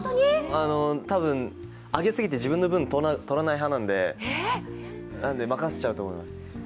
多分、上げすぎて自分の分、取らない派だと思うんで任せちゃうと思います。